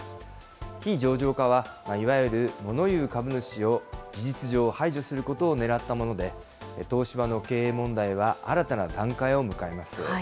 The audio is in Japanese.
非上場化は、いわゆるもの言う株主を事実上排除することをねらったもので、東芝の経営問題は新たな段階を迎えます。